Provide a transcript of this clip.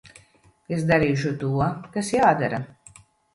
Es darīšu to, kas jādara.